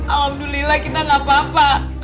alhamdulillah kita gak apa apa